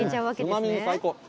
うまみが最高。